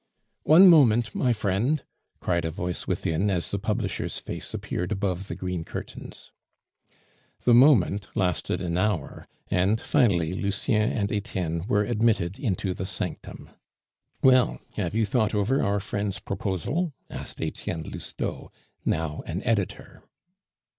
"One moment, my friend," cried a voice within as the publisher's face appeared above the green curtains. The moment lasted an hour, and finally Lucien and Etienne were admitted into the sanctum. "Well, have you thought over our friend's proposal?" asked Etienne Lousteau, now an editor.